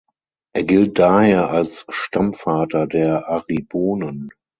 Er gilt daher als Stammvater der Aribonen.